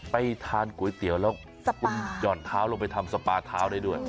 ไปทานก๋วยเตี๋ยวแล้วคุณหย่อนเท้าลงไปทำสปาเท้าได้ด้วย